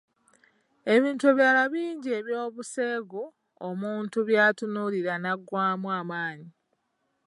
Ebitu ebirala bingi eby'obuseegu omuntu by'atunuulira naggwaamu amaanyi.